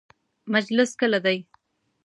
مجلس کله دی؟